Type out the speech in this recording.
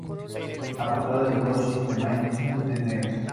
La portada de "Ghost in the machine" es negra.